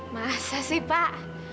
masa sih pak